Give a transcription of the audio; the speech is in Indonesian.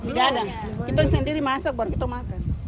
tidak ada kita sendiri masak baru kita makan